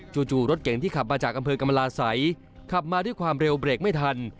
จู่รถเก่งที่ขับมาจากอำเภอกรรมราศัยขับมาด้วยความเร็วเบรกไม่ทัน